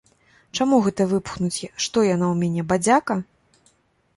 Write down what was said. Чаму гэта выпхнуць, што яна ў мяне, бадзяка?